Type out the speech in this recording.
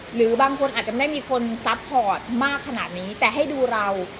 หรือบางคนอาจจะไม่ได้มีคนซัพพอร์ตมากขนาดนี้แต่ให้ดูเรา